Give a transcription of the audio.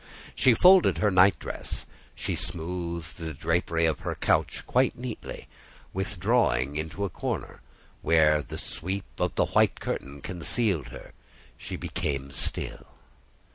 She folded her night dress, she smoothed the drapery of her couch quite neatly; withdrawing into a corner, where the sweep of the white curtain concealed her, she became still.